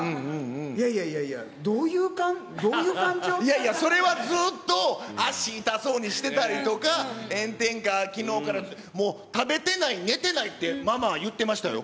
いやいやいやいや、いやいやそれはずーっと、足痛そうにしてたりとか、炎天下、きのうからもう食べてない、寝てないって、ママは言ってましたよ。